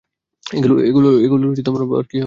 এগুলোর আবার কী হলো?